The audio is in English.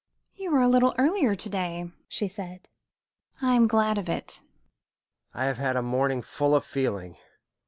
"You are a little earlier to day," she said. "I am glad of it." "I have had a morning full of feeling.